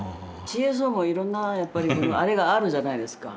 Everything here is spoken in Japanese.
自閉症もいろんなやっぱりあれがあるじゃないですか。